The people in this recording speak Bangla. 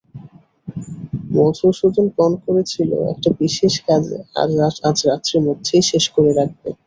মধুসূদন পণ করেছিল, একটা বিশেষ কাজ আজ রাত্রের মধ্যেই শেষ করে রাখবে।